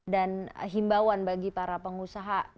dan himbauan bagi para pengusaha dalam psb